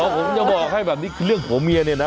ผมจะบอกให้แบบนี้คือเรื่องผัวเมียเนี่ยนะ